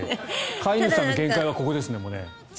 飼い主さんの限界はここですね。